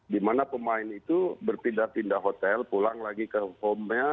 di mana pemain itu berpindah pindah hotel pulang lagi ke home nya